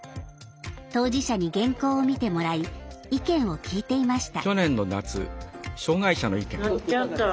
当事者に原稿を見てもらい意見を聞いていました。